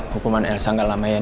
hukuman elsa gak lama ya din